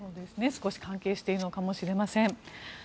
少し関係しているのかもしれません。